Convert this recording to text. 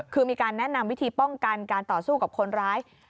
คือมีการแนะนำวิธีป้องกันการต่อสู้กับคนร้าย